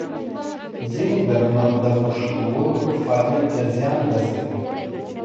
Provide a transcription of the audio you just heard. ځینې درمل د پښتورګو فعالیت ته زیان رسوي.